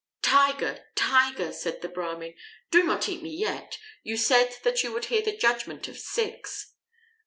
"Tiger, Tiger," said the Brahmin, "do not eat me yet. You said that you would hear the judgment of six."